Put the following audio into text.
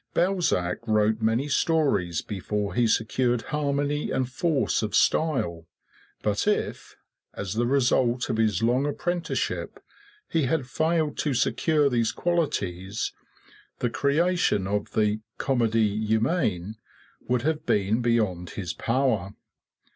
Balzac wrote many stories before he secured harmony and force of style; but if, as the result of his long apprenticeship, he had failed to secure these qualities, the creation of the "Comedie Humaine" would have been beyond his power.